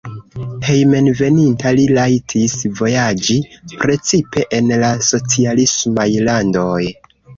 Hejmenveninta li rajtis vojaĝi precipe en la socialismaj landoj.